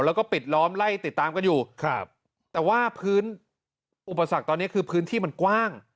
แล้วก็ปิดล้อมไล่ติดตามกันอยู่ครับแต่ว่าพื้นอุปสรรคตอนนี้คือพื้นที่มันกว้าง